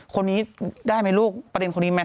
คนนี้ได้ไหมลูกประเด็นคนนี้ไหม